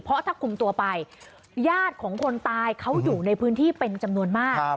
เพราะถ้าคุมตัวไปญาติของคนตายเขาอยู่ในพื้นที่เป็นจำนวนมาก